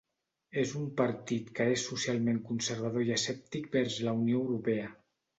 És un partit que és socialment conservador i escèptic vers la Unió Europea.